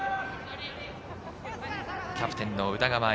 キャプテンの宇田川瑛